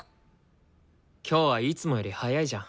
今日はいつもより早いじゃん。